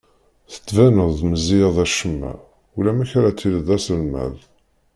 Tettbineḍ-d meẓẓiyeḍ acemma, ulamek ara tiliḍ d aselmad.